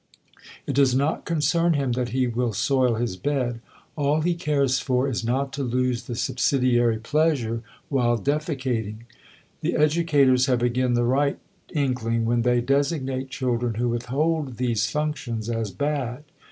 It does not concern him that he will soil his bed; all he cares for is not to lose the subsidiary pleasure while defecating. The educators have again the right inkling when they designate children who withhold these functions as bad.